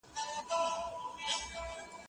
زه به سبا ښوونځی ته ځم وم،